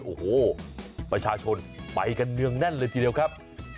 โอ้โหประชาชนไปกันเนืองแน่นเลยทีเดียวครับ